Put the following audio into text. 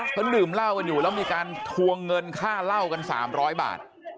เขาดื่มเหล้ากันอยู่แล้วมีการทวงเงินค่าเหล้ากัน๓๐๐บาท